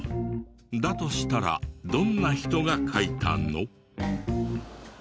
だとしたらどんな人が書いたの？